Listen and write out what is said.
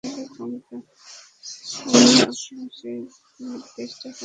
আমরা আপনার শেষ নির্দেশটা পালন করেছি!